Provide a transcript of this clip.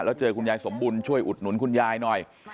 แล้วเจอคุณยายสมบุญช่วยอุดหนุนคุณยายหน่อย